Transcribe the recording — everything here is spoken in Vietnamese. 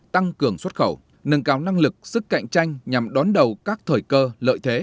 tăng cường xuất khẩu nâng cao năng lực sức cạnh tranh nhằm đón đầu các thời cơ lợi thế